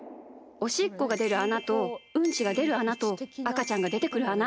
おしっこがでるあなとうんちがでるあなとあかちゃんがでてくる、あな。